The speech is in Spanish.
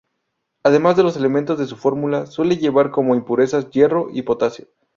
Además de los elementos de su fórmula, suele llevar como impurezas: hierro y potasio.